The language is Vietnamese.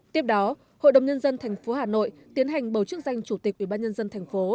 tiếp đó hội đồng nhân dân tp hà nội tiến hành bầu chức danh chủ tịch ủy ban nhân dân thành phố